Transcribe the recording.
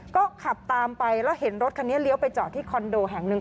ก็ขับตามไปแล้วเห็นรถคันนี้เลี้ยวไปจอดที่คอนโดแห่งหนึ่ง